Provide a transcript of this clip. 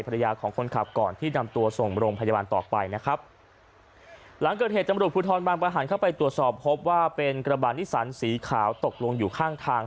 ภรรยาของคนขับก่อนที่นำตัวส่งโรงพยาบาลต่อไปนะครับหลังเกิดเหตุตำรวจภูทรบางประหันเข้าไปตรวจสอบพบว่าเป็นกระบาดนิสันสีขาวตกลงอยู่ข้างทาง